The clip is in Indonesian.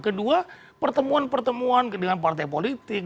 kedua pertemuan pertemuan dengan partai politik